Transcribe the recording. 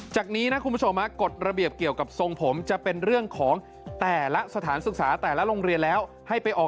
จากนี้นะคุณผู้ชมกฎระเบียบเกี่ยวกับทรงผมจะเป็นเรื่องของแต่ละสถานศึกษาแต่ละโรงเรียนแล้วให้ไปออก